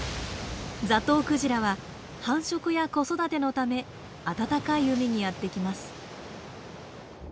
ザトウクジラは繁殖や子育てのため暖かい海にやって来ます。